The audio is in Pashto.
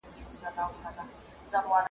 تا به ویل زما د خالپوڅو او بابا کلی دی ,